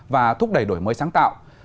và thúc đẩy đổi mới sáng tạo